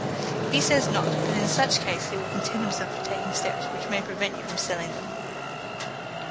"He says not; but in such case he will content himself with taking steps which may prevent you from selling them."